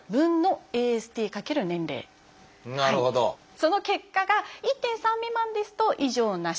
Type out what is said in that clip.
その結果が１．３未満ですと異常なし。